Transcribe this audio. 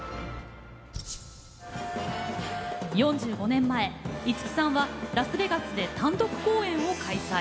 ４５年前五木さんはラスベガスで単独公演を開催。